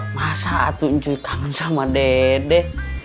masa atu ncuri kangen sama dede